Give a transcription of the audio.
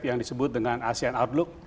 yang disebut dengan asean outlook